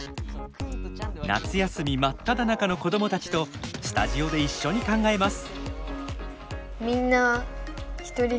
夏休み真っただ中の子供たちとスタジオで一緒に考えます。